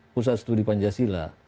tiga puluh pusat studi pancasila